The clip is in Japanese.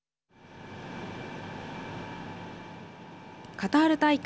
カタール大会